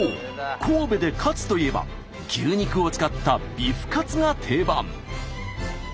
神戸でカツといえば牛肉を使ったビフカツが定番。